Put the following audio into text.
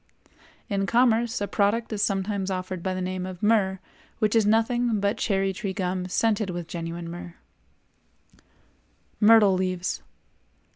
In commerce a product is sometimes offered by the name of myrrh which is nothing but cherry tree gum scented with genuine myrrh. MYRTLE LEAVES.